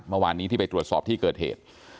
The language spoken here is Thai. เมื่อวานนี้ที่ไปตรวจสอบที่เกิดเหตุ